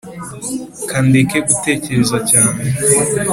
kandeke gutekereze cyane